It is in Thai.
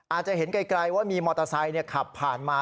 อาจจะเห็นไกลว่ามีมอเตอร์ไซค์ขับผ่านมา